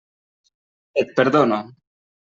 Et perdono.